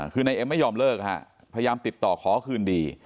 คือนายเอ็มไม่ยอมเลิกฮะพยายามติดต่อขอคืนดี